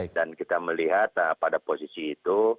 dan kita melihat pada posisi itu